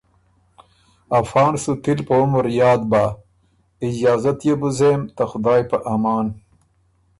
افا ن سُو تِل په عمر یاد بَۀ۔ اجازت يې بُو زېم، ته خدایٛ په امان“